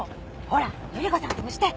ほら依子さんともして。